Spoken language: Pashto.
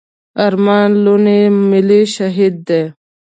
ارمان لوڼي ملي شهيد دی.